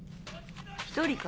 １人か？